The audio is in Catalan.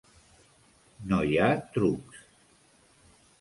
No hi ha trucs.